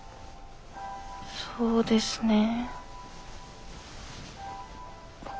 そうですね心を。